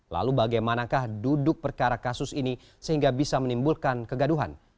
lalu bagaimanakah duduk perkara kasus ini sehingga bisa menimbulkan kegaduhan